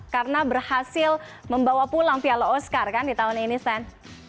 karena berhasil membawa pulang piala oscar kan di tahun ini stan